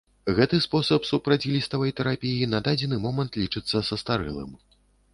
Гэты спосаб супрацьгліставай тэрапіі на дадзены момант лічыцца састарэлым.